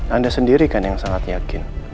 anda sendiri kan yang sangat yakin